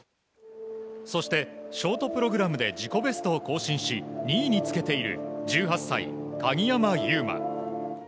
そして、ショートプログラムで自己ベストを更新し、２位につけている１８歳、鍵山優真。